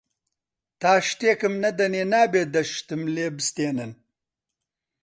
تا شتێکم نەدەنێ نابێ دە شتم لێ بستێنن